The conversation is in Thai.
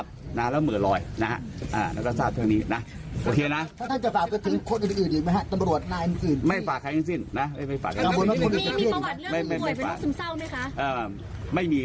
ภูมิกับคนนี้เป็นคนที่โทรให้สารวัสดิ์แบงค์ร่วมงานที่